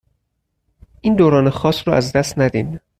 این دوران خاص رو از دست ندین